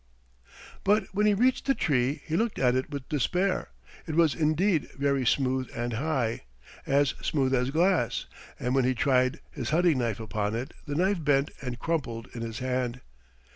But when he reached the tree he looked at it with despair. It was indeed very smooth and high, as smooth as glass, and when he tried his hunting knife upon it the knife bent and crumpled in his hand.